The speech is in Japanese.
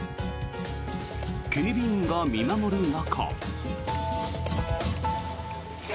警備員が見守る中。